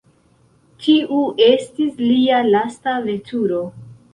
Tiu estis lia lasta veturo.